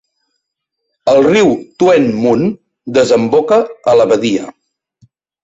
El riu Tuen Mun desemboca a la badia.